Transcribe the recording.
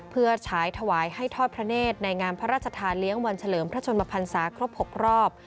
เพื่อฉายถวายให้ทอดพระเนธในงานพระราชทานเลี้ยงวันเฉลิมพระชนมพันศาครบ๖รอบ